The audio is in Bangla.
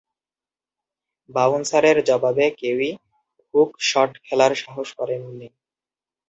বাউন্সারের জবাবে কেউই হুক শট খেলার সাহস করেননি।